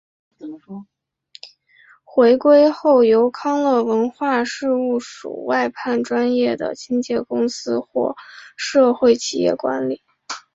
回归后由康乐文化事务署外判专业的清洁公司或社会企业管理。